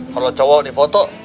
kalau cowok di foto